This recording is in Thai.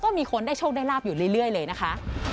มีคนได้โชคได้ลาบอยู่เรื่อยเลยนะคะ